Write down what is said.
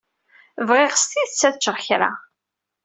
Bɣiɣ s tidet ad ččeɣ kra.